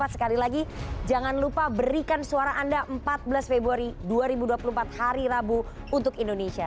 sekali lagi jangan lupa berikan suara anda empat belas februari dua ribu dua puluh empat hari rabu untuk indonesia